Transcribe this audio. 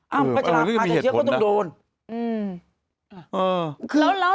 ก็จะรับประจายเชื้อก็ต้องโดน